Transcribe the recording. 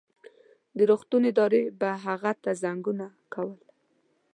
د روغتون ادارې به هغه ته زنګونه کول.